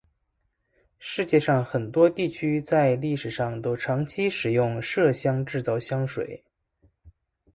世界上很多地区在历史上都长期使用麝香制造香水。